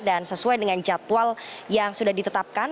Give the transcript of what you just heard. dan sesuai dengan jadwal yang sudah ditetapkan